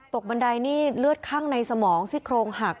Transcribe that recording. บันไดนี่เลือดข้างในสมองซี่โครงหัก